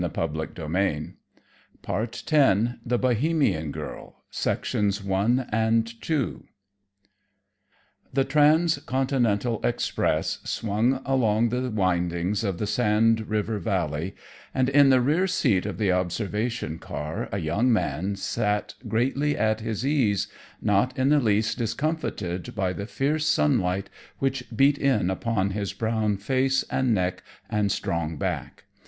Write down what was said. Century, October 1911 The Bohemian Girl The Trans continental Express swung along the windings of the Sand River Valley, and in the rear seat of the observation car a young man sat greatly at his ease, not in the least discomfited by the fierce sunlight which beat in upon his brown face and neck and strong back.